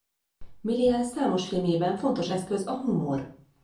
Milián számos filmjében fontos eszköz a humor.